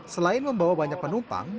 selain membawa banyak penumpang